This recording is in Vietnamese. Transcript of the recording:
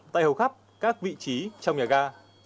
tại hầu khắp các vị trí trong nhà ga